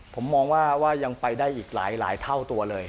ผมมองว่ายังไปได้อีกหลายเท่าตัวเลย